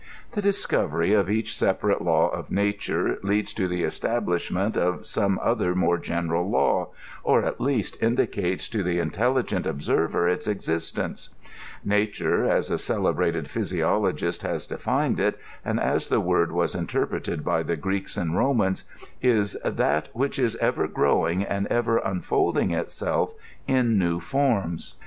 The discovery of each separate law of nature leads to the estftblislisnjeiit of 6oai9 other more genexal law, or at least indicates to the intelligent obserrev its existencoi Nature, as Sr eelebrated physiidogiiBl* has de&ied i/t, and as the word was interpreted by the Greeks itaid Komtins, is thart which is ever growing and ever unfolding itself in new £Nrms."